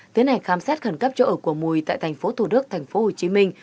tiến hành khám xét khẩn cấp chỗ ở của mùi tại thành phố thủ đức thành phố hồ chí minh